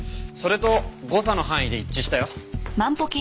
それと誤差の範囲で一致したよ。